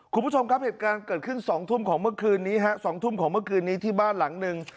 คุณผู้ชมครับเหตุการณ์เกิดขึ้น๒ทุ่มของเมื่อคืนนี้ฮะ๒ทุ่มของเมื่อคืนนี้ที่บ้านหลังหนึ่ง